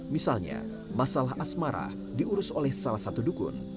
misalnya masalah asmara diurus oleh salah satu dukun